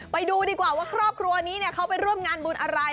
ไปดูดีกว่าว่าครอบครัวนี้เขาไปร่วมงานบุญอะไร